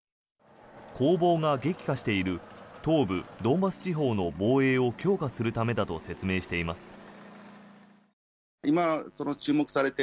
攻防が激化している東部ドンバス地方の防衛を強化するためだと説明しています。